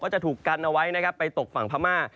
ก็จะถูกกันเอาไว้ไปตกฝั่งพม่า